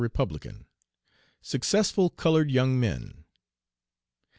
Republican.) SUCCESSFUL COLORED YOUNG MEN.